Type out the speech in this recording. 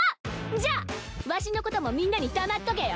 じゃあわしのこともみんなに黙っとけよ。